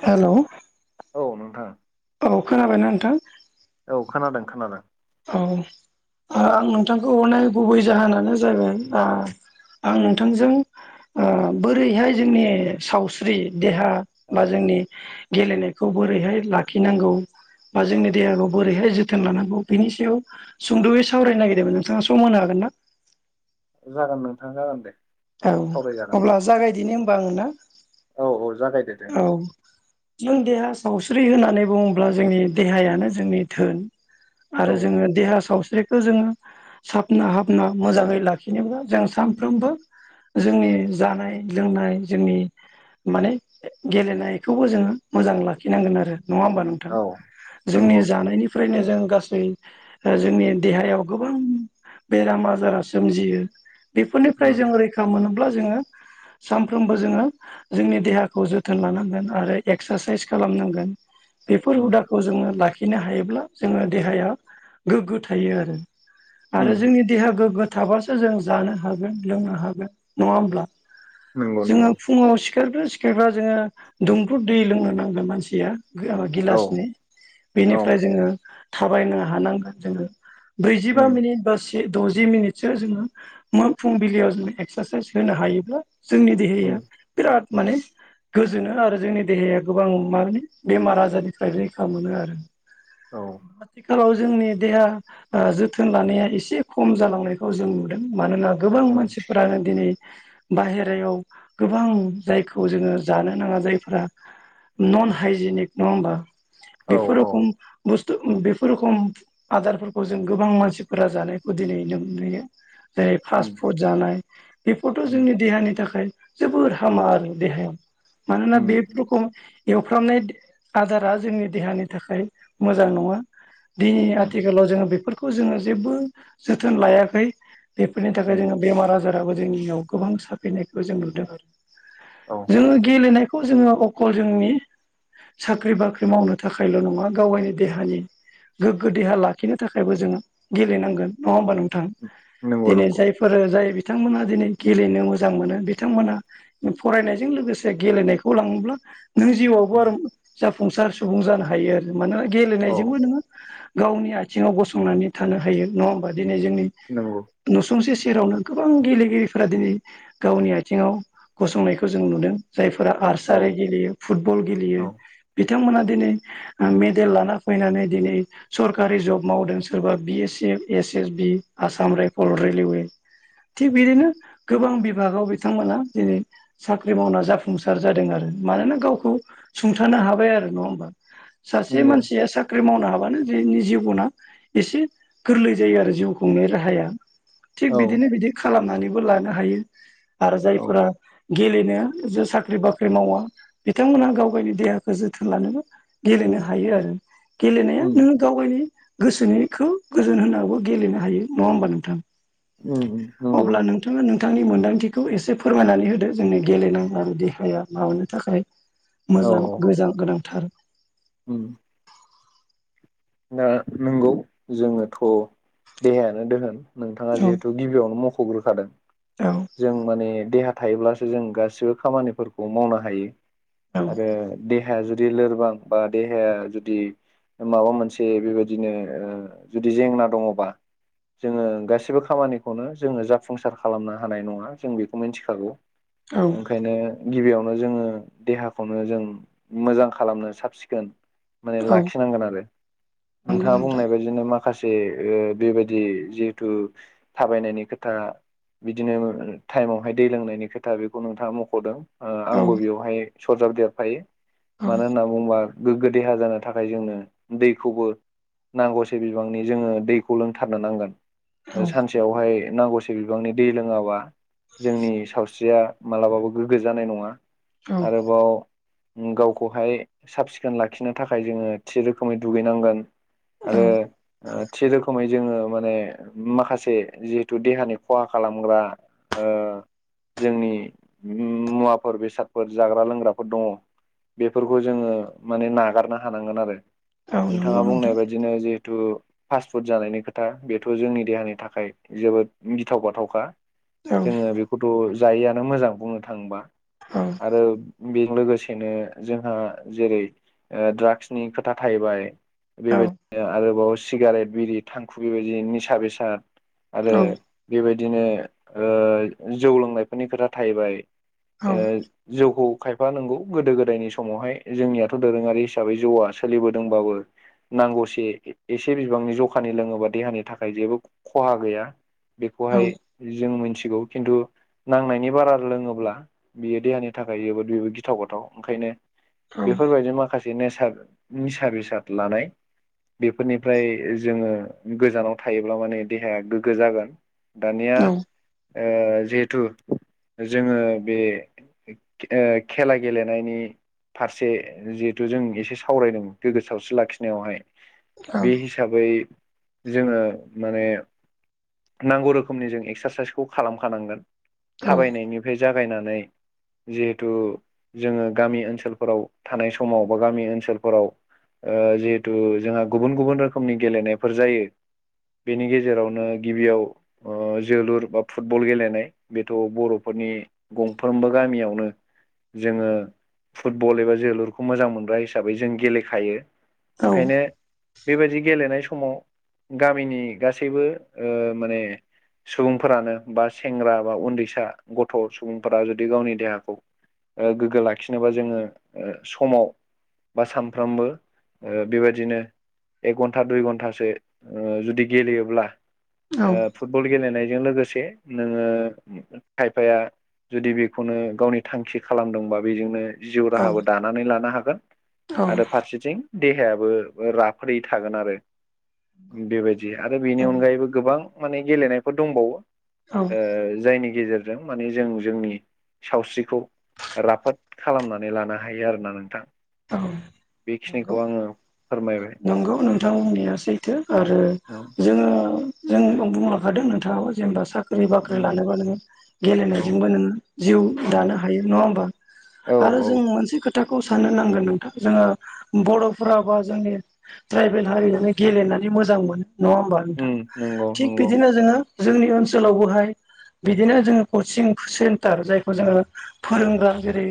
हेल' औ नोंथां। औ खोनाबायना नोंथां? औ खोनादों खोनादों। औ आं नोंथांखौ हरनाय गुबै जाहोनानो जाबाय [unintelligible] आं नोंथांजों बोरैहाय जोंनि सावस्रि देहा औ बा जोंनि गेलेनायखौ बोरैहाय लाखिनांगौ बा औ जोंनि देहाखौ बोरैहाय जो थोन लानांगौ बेनि सायाव सुंद'यै सावरायनो नागिरदोंमोन नोंथाङा सम होनो हागोन ना? जागोन नोंथां जागोन दे। औ सावरायजागोन अब्ला जागायदिनि होमबा आङो ना? औ औ जागायदो। दे औ नोंथां जों देहा सावस्रि होननानै बुङोब्ला जोंनि देहायानो जोंनि धोन औ आरो जोंङो देहा सावस्रि खौ जोङो साबना हाबना मोजांङै लाखिनोब्ला जों सानफ्रोमबो जोंनि जानाय लोंनाय जोंनि माने गेलेनायखौबो जोङो मोजां लाखिनांगोन आरो नङा होमबा नोंथां? औ जोंनि नंगौ जानायनिफ्रायनो जों गासै जोंनि देहायाव गोबां बेराम आजारा सोमजियो उम बेफोरनिफ्राय जों रैखा मोनोब्ला जोङो सानफ्रोमबो जोङो जोंनि देहा खौ जोथोन लानांगोन आरो एक्सारसाइस खालामनांगोन बेफोर उम हुदाखौ जोंङो लाखि नो हायोब्ला जोंङो देहाया गोग्गो थायो आरो उम आरो जोंनि देहा गोग्गो थाब्लाासो जों जानो हागोन लोंनो हागोन नङा होमब्ला? नंगौ जोंङो नंगौ फुङाव सिखारग्रो सिखारग्रा जोङो दुंब्रुद दै लोंनो नांगोन मानसिया औ गिलासनि औ बेनिफ्राय जोंङो थाबायनो हानांगोन जोंङो ब्रैजिबा उम मिनिट बास द'जि मिनिटसो जोङो फुंबिलियाव जोंङो एक्सारसाइस होनो हायोब्ला जोंनि उम देहाया बिराद माने गोजोनो आरो जोंनि देहाया गोबां माने बेमार आजारनिफ्राय रैखा मोनो आरो। औ आथिखालाव जोंनि देहा जोथोन लानाया एसे खम जालांनायखौ जों नुदों मानोना गोबां उम मानसिफोरानो दिनै बाहेरायाव गोबां जाय खौ जोंङो जानो नाङा जायफोरा नन हाइजेनिक नङा होमबा औ बेफोर औ रखम बुस्थु बेफोर रखम आदारफोरखौ जों गोबां मानसिफोरा जानायखौ दिनै नुयो जेरै फास्ट उम फुड जानाय बेफोरथ' उम जोंनि देहानि थाखाय जोबोर हामा आरो देहायाव मानोना उम बेफोरखौ एवफ्रामनाय आदारा जोंनि देहानि थाखाय मोजां नङा दिनै उम आथिखालाव जोङो बेफोरखौ जोङो जेबो जोथोन लायाखै बेफोरनि थाखाय उम जोङो बेमार आजाराबो जोंनियाव गोबां साफैनायखौ जों नुदों आरो। औ जोंङो गेलेनायखौ जोंङो अकल जोंनि साख्रि बाख्रि मावनो थाखायल' नङा गाव गावनि देहानि गोग्गो देहा लाखिनो थाखायबो जोङो गेलेनांगोन नङा होमबा नोंथां? नंगौ दिनै नंगौ जाय फोर जाय बिथांमोना दिनै गेलेनो मोजां मोनो बिथांमोना फरायनाय जों लोगोसे गेलेनायखौ लाङोब्ला नों जिउआवबो उम आरो जाफुंसार सुबुं जानो हायो आरो मानोना औ गेलेनायजोंबो नोङो गावनि आथिङाव गसंनानै थानो हायो नङा होमबा दिनै जोंनि नंगौ नुसुंसे सेरावनो गोबां गेलेगिरिफोरा दिनै गावनि आथिङाव गसंनाय खौ जों नुदों जायफोरा औ आर्सारि गेलेयो, फुटबल गेलेयो औ बिथांमोना दिनै मेडेल लाना फैनानै दिनै सरकारि जब मावदों सोरबा B S F, S S B, Assam rifle, railway थिग बिदिनो गोबां बिभागाव बिथांमोना दिनै साख्रि मावना जाफुंसार जादों आरो मानोना गावखौ सुंथानो हाबाय आरो नङा होमबा? सासे नंगौ मानसिया सा साख्रि मावनो हाबानो जोंनि जिबना एसे गोरलै जायो आरो जिउ खुंनाय राहाया। थिग औ बिदिनो बिदि खालामनानैबो लानो हायो आरो औ जायफोरा गेलेनो जे साख्रि बाख्रि मावा बिथांमोना गाव गावनि देहाखौ जोथोन लानोबो गेलेनो हायो आरो गेलेनो उम नोंङो गावगायनि गोसोनिखौ गोजोन होनांगौ गेलेनो हायो नंङा होमबा नोंथां? उम उम। नंगौ अब्ला नंगौ नोंथांङा नोंथांनि मोनदांथिखौ एसे फोरमायनानै होदो। जोंनि गेलेनां आरो देहाया माबानो थाखाय औ मोजां औ गोजान गोनांथार। उम दा नंगौ जोंङोथ' देहायानो दोहोन नोंथांङा औ जिहेथु गिबियावनो मख'ग्रोखादों। औ जों माने देहा थायोब्लासो जों गासिबो खामानिफोरखौ मावनो हायो। औ आरो देहाया जुदि लोरबां बा देहाया जुदि माबा मोनसे ए बेबायदिनो जुदि जेंना दंङबा जोंङो गासिबो खामानिखौनो जोंङो जाफुंसार खालामनो हानाय नंङा जों बेखौ मिथिखागौ। औ ओंखायनो गिबियावनो जोंङो देहाखौनो जों मोजां खालामनो साबसिखोन माने औ लाखिनांगोन आरो नंगौ नोंथांङा नोंथां बुंनाय बायदि बिदिनो माखासेओ बेबायदि जिहेथु थाबायनायनि खोथा बिदिनो टाइमावहाय दै लोंनायनि खोथा बेखौ नोंथांङा मख'दों। औ आंबो बेवहाय सरजाब देरफायो औ मानो होनना बुंङोबा गोग्गो देहा जानो थाखाय जोंनो दै खौबो नांगौसे बिबांनि जों दैखौ लोंथारनो नांगोन औ सानसे बेवहाय नांगौसे बिबांनि दै लोंङाबा जोंनि सावस्रिया मालाबाबो गोग्गो जानाय नंङा औ आरोबाव गावखौहाय साब सिखोन लाखिनो थाखाय जोंङो थि रोखोमै दुगैनांगोन। औ आरो थि रोखोमै जोंङो माने माखासे जिहेथु देहानि खहा खालामग्रा ओ जोंनि मुवाफोर बेसादफोर जाग्रा लोंग्राफोर दङ। बेफोरखौ जोंङो माने नागारनो हानांगोन आरो। औ नोंथांङा नंगौ बुंनाय नोंथां बायदिनो जिहेथु फास्ट फुड जानायनि खोथा बेथ' जोंनि देहानि थाखाय जोबोद गिथाव बाथावखा। औ जोंङो बेखौथ' जायिआनो मोजां बुंनो थांङोबा। [unintelligible] आरो बेजों लोगोसेनो जोंहा जेरैओ दाड्राग्सनि खोथा था हायबाय औ बेबायदिनो आरोबाव सिगारेट बिरि थांखु बेबायदि निसा बेसाद आरो औ बेबायदिनो ओ जौ लोंनायफोरनि खोथा थाहैबाय। औ ओ जौखौ खायफा नांगौ गोदो गोदायनि समावहाय जोंनियाथ' दोरोंङारि हिसाबै जौआसो सोलिबोदोंबाबो नांगौसे एसे बिबांनि जखानि लोंङोबा देहानि थाखाय जेबो खहा गैया। औ बेखौहाय जों मिथिगौ खिन्थु नांनायनि बारा लोंङोब्ला बियो देहानि थाखाय जोबोद बेबो गिथाव बाथाव ओंखायनो बेफोरबायदि माखासे निसा- निसा बेसाद लानाय बेफोरनिफ्राय जोंङो गोजानाव थायोब्ला माने देहाया गोग्गो जागोन। दानिया जिहेथु जोंङो बे ओ खेला गेलेनायनि फारसे जिहेथु जों एसे सावरायदों गोग्गो सावस्रि लाखिनायावहाय बे हिसाबै हिसाबै जोंङो माने नांगौ रोखोमनि जों एक्सारसाइसखौ खालामखानांगोन थाबायनायनि बे जागायनानै जिहेथु जोङो गामि ओनसोलफोराव थानाय समाव बा गामि ओनसोल फोराव ओ जिहेतु जोंहा गुबुन गुबुन रोखोमनि गेलेनायफोर जायो बेनि गेजेरावनो गिबियाव ओ जोलुर बा फुटबल गेलेनाय बेथ' बर'फोरनि गंफ्रोमबो गामियावनो जोङो फुटबल एबा जोलुरखौ मोजां मोनग्रा हिसाबै जों गेलेखायो ओंखायनो बेबायदि गेलेनाय समाव गामिनि गासैबो ओ माने सुबुंफोरानो बा सेंग्रा बा उन्दैसा गथ' सुबुंफोरा जुदि गावनि देहाखौ ओ गोग्गो लाखिनोबा जोङो समाव बा साम फ्रोमबो ओ बेबायदिनो एक घन्टा दुइ घन्टासो ओ जुदि गेलेयोब्ला ओ फुटबल गेलेनायजों लोगोसे नोङो खायफाया जुदि बेखौनो गावनि थांखि खालामदोंबा बेजोंनो जिउ राहाबो दानानै लानो हागोन औ आरो फारसेथिं देहायाबो राफोदै थागोन आरो। बेबायदि आरो बेनि अनगायैबो गोबां माने गेलेनायफोर दंबावो औ औ ओ जायनि गेजेरजों माने जों जोंनि सावस्रिखौ राफोद खालामनानै लानो हायो आरोना नोंथां। औ बेखिनिखौ आङो फोरमायबाय नंगौ नोंथां बुंनाया सैथो आरो औ जोङो जों बुंलांखादों नोंथाङाबो जेनेबा सा ख्रि बाख्रि लानोबा नोङो औ गेलेनायजोंबो नोङो जिउ दानो हायो नङा होमबा। औ आरो औ जों मोनसे खोथाखौ साननो नांगोन नोंथां जोङो बर'फोरा बा जोंनि ट्राइबेल हारि नालाय गेलेनानै मोजां मोनो नङा होमबा नोंथां उम नंगौ थिग नंगौ बिदिनो जोङो जोंनि ओनसोलावबोहाय बिदिनो जोंङो कचिं सेन्टार जायखौ जोङो फोरोंग्रा जेरै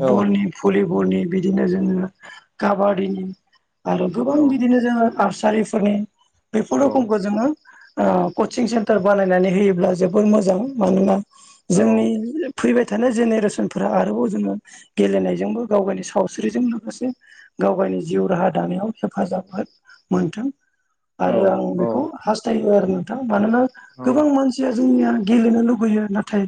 औ भलिबलनि बिदिनो जोङो काबादिनि आरो गोबां औ बिदिनो जोङो आर्सारिफोरनि बेफोर औ रोखोमखौ जोङो ओ कचिं सेन्टार बानायनानै होयोब्ला जोबोर मोजां मानोना औ जोंनि फैबाय थानाय जेनेरेसनफोरा आरोबाव जोङो गेलेनायजोंबो गाव गायनि सावस्रिजों लोगोसे गाव गायनि जिउ राहा दानायाव हेफाजाब हो-मोनथों औ आरो आं औ बेखौ हास्थायो आरो मानोना औ गोबां मानसिया जोंनिया गेलेनो लुुबैयो नाथाय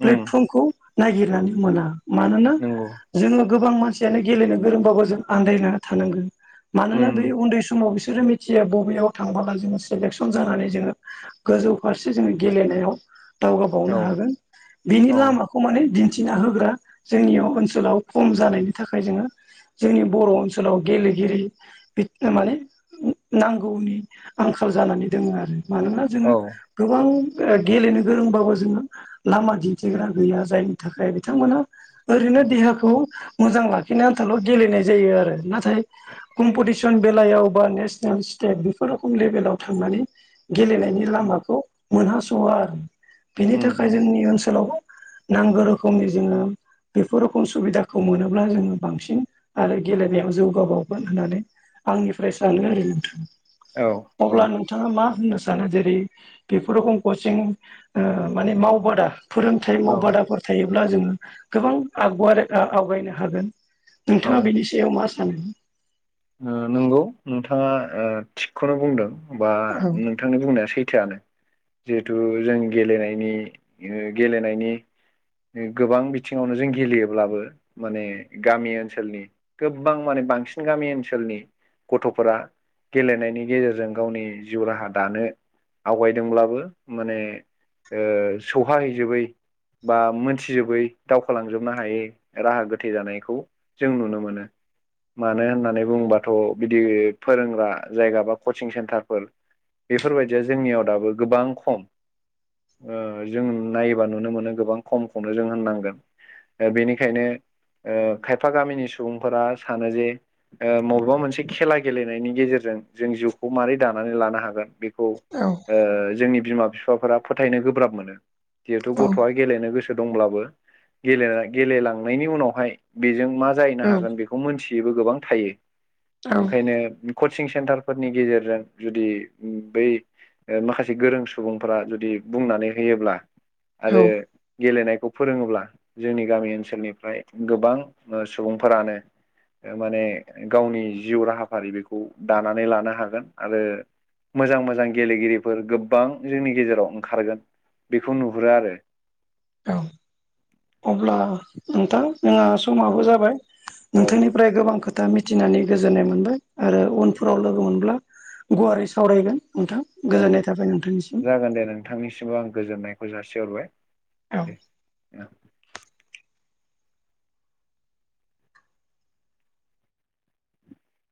उम प्लेटफर्मखौ नागिरनानै मोना मानोना नंगौ जोंनि गोबां मानसियानो गेलेनो गोरोंबाबो जों आन्दायना थानांगोन मानोना बे उम उन्दै समाव बिसोरो मि थियो बबेयाव थांबोला जोङो सेलेकसन जानानै जोङो गोजौ फारसे जोङो गेलेनायाव औ दावगाबावनो हागोन बिनि औ लामाखौ माने दिन्थिना होग्रा जोंनियाव ओनसोलाव खम जानायनि थाखाय जोङो जोंनि बर' ओनसोलाव गेले गिरि माने नांगौनि आंखाल जानानै दङो आरो। मानोना जोङो औ गोबां गेलेनो गोरोंबाबो जोङो लामा दिन्थिग्रा गैया जायनि थाखाय बिथांमोना ओरैनो देहाखौ मोजां लाखिनो आन्थालाव गेलेनाय जायो आरो नाथाय कम्पिटिसन बेलायाव बा नेसनेल स्टेट बेफोर रोखोम लेभेलाव थांनानै गेलेनायनि उम लामाखौ मोनहासवा बेनि थाखाय उम जोंनि ओनसोलाव नांगौ रोखोमनि जोङो बेफोर रोखम सुबिदाखौ मोनोब्ला जोङो बांसिन आरो गेलेनायाव जौगाबाव गोन होननानै आंनिफ्राय सानो आरो नोंथां। औ औ अब्ला नोंथाङा मा होननो सानो? जेरै बेफोर रोखोम कचिं ओ माने मावबा दा फोरोंथाइ औ मावबादाफोर थायोब्ला जोङो गोबां आगबाराय आवगायनो हागोन। नोंथाङा बेनि सायाव मा सानो? ओ नंगौ नोंथाङा ओ थिगखौनो बुंदों बा नों थांनि बुंनाया सैथोआनो जिहेथु जों गेलेनायनि गेलेनायनि गोबां बिथिङावनो जों गेलेयोब्लाबो माने गामि ओनसोलनि गोबां माने बांसिन गामि ओनसोल ओनसोलनि गथ'फोरा गेलेनायनि गेजेरजों गावनि जिउ राहा दानो आवगायदोंब्लाबो माने ओ सौहाहैजोबै बा मोनथिजोबै दावखोलांजोबनो हायै राहा गोथे जानायखौ जों नुनो। मानो होननानै बुंबाथ' बिदि फोरोंग्रा जायगा बा कचिं सेन्टारफोर बेफोरबायदिया जोंनियाव दाबो गोबां खम। ओ जों नायोबा नुनो मोनो गोबां खम खौनो जों होननांगोन। बेनिखायनो ओ खायफा गामिनि सुबुंफोरा सानो जे ओ मबेबा मोनसे खेला गेलेनायनि गेजेरजों जों जिउखौ माबारै दानानै लानो हागोन बेखौ औ ओ जोंनि बिमा बिफाफोरा फोथायनो गोब्राब मोनो जिहेथु औ गथ'आ गेलेनो गोसो दंब्लाबो गेले गेलेलांनायनि उनावहाय बेजों मा जाहैनो औ हागोन बेखौ मोनथियोबो गोबां थायो। औ ओंखायनो कचिं सेन्टारफोरनि गेजेरजों जुदि बै ओ माखासे गोरों सुबुंफोरा जुदि बुंनानै होयोब्ला आरो गेलेनायखौ फोरोङोब्ला जोंनि गामि ओनसोलनिफ्राय गोबां ओ सुबुंफोरानो माने गावनि जिउ राहाफारि बेखौ दानानै लानो हागोन आरो मोजां मोजां गेलेगिरिफोर गोबां जोंनि गेजेराव ओंखारगोन बेखौ नुहुरो आरो। औ अब्ला नोंथां जोंहा औ समाबो जाबाय औ नोंथांनि फ्राय गोबां खोथा मिथिनानै गोजोननाय मोनबाय आरो उनफोराव लोगो मोनब्ला गुवारै सावरायगोन नोंथां औ गोजोननाय थाबाय नोंथांनिसिम। जागोन दे नों थांनिसिमबो आं गोजोननायखौ जासिहरबाय। औ औ